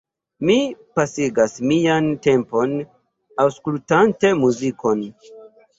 Mi pasigas mian tempon aŭskultante muzikon.